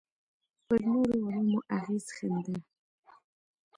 پر نورو علومو اغېز ښنده.